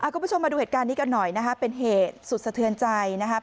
คุณผู้ชมมาดูเหตุการณ์นี้กันหน่อยเป็นเหตุสุดสะเทือนใจ